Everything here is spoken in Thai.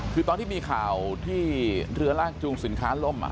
คือตอนที่มีข่าวที่เรือลากจูงสินค้าล่ม